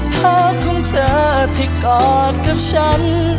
ภาพของเธอที่กอดกับฉัน